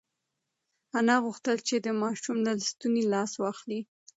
انا غوښتل چې د ماشوم له ستوني لاس واخلي.